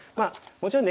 もちろんね